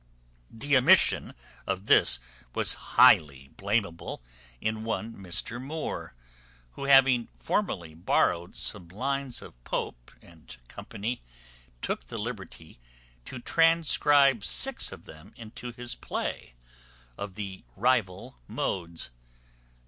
The omission of this was highly blameable in one Mr Moore, who, having formerly borrowed some lines of Pope and company, took the liberty to transcribe six of them into his play of the Rival Modes.